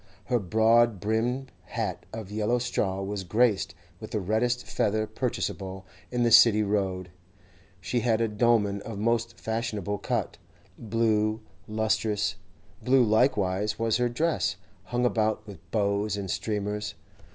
Her broad brimmed hat of yellow straw was graced with the reddest feather purchasable in the City Road; she had a dolman of most fashionable cut, blue, lustrous; blue likewise was her dress, hung about with bows and streamers.